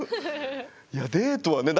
いやデートはね